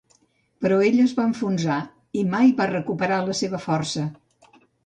Però ella es va enfonsar i mai va recuperar la seva força.